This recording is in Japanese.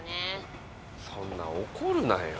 そんな怒るなよ。